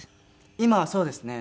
今はそうですね。